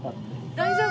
大丈夫？